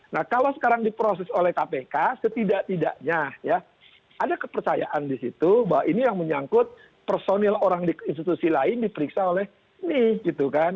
nah kalau sekarang diproses oleh kpk setidak tidaknya ya ada kepercayaan di situ bahwa ini yang menyangkut personil orang di institusi lain diperiksa oleh ini gitu kan